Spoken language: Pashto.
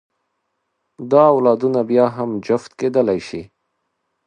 دا اولادونه بیا هم جفت کېدلی شي.